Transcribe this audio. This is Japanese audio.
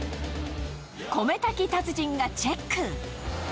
米炊き達人がチェック。